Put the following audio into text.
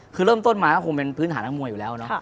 คือเริ่มต้นมาก็คงเป็นพื้นฐานนักมวยอยู่แล้วเนอะ